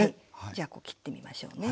じゃあ切ってみましょうね。